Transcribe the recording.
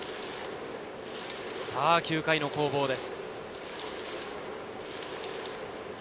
９回の攻防です。